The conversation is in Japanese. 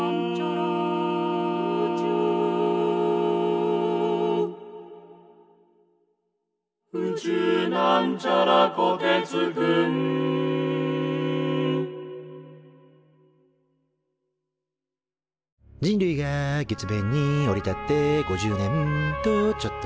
「宇宙」人類が月面に降り立って５０年とちょっと。